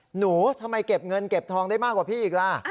หนูทำไมเก็บเงินเก็บทองได้มากกว่าพี่อีกล่ะ